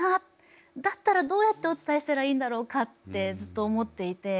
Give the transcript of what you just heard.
だったらどうやってお伝えしたらいいんだろうかってずっと思っていて。